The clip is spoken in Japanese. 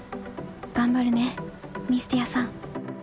がんばるねミスティアさん。